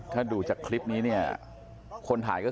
ถ้าดูจากคลิปนี้เนี่ยคนถ่ายก็คือ